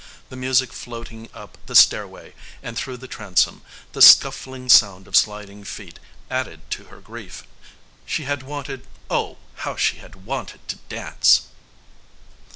The music floating up the stairway and through the transom, the scuffling sound of sliding feet, added to her grief. She had wanted, oh, how she had wanted to dance!